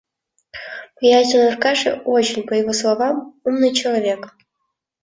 Приятель Аркаши, очень, по его словам, умный человек.